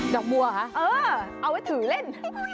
อกบัวคะเออเอาไว้ถือเล่น